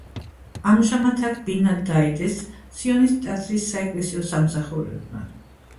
ამჟამად აქ ბინა დაიდეს სიონის ტაძრის საეკლესიო სამსახურებმა.